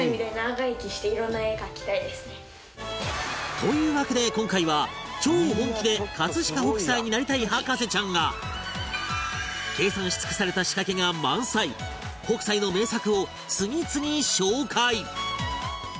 というわけで今回は超本気で飾北斎になりたい博士ちゃんが計算し尽くされた仕掛けが満載北斎の名作を次々紹介